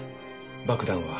爆弾は？